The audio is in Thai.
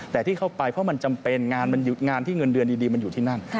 แต่ที่เข้าไปเพราะมันจำเป็นงานที่เงินเดือนดีมันอยู่ที่นั่น